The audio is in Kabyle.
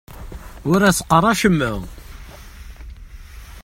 Ur as-qqar acemma.